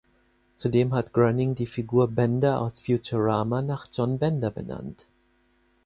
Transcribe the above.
Zudem hat Groening die Figur Bender aus "Futurama" nach John Bender benannt.